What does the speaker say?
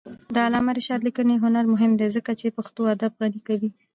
د علامه رشاد لیکنی هنر مهم دی ځکه چې پښتو ادب غني کوي.